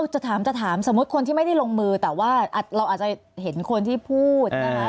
จะถามจะถามสมมุติคนที่ไม่ได้ลงมือแต่ว่าเราอาจจะเห็นคนที่พูดนะคะ